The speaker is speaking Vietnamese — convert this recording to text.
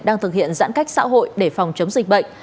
đang thực hiện giãn cách xã hội để phòng chống dịch bệnh